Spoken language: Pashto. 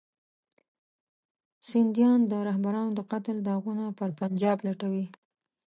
سندیان د رهبرانو د قتل داغونه پر پنجاب لټوي.